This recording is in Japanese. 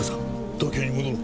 東京に戻ろう。